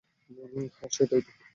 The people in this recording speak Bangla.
হ্যাঁ, সেটাই তো!